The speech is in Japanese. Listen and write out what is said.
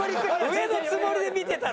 上のつもりで見てたろ？